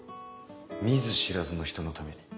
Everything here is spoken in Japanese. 見ず知らずの人のために？